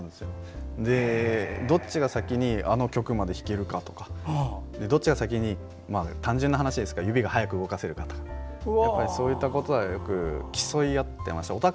どっちが先にあの曲まで弾けるかとかどっちが先に単純な話ですけど指が早く動かせるかといったことはよく競い合ってました。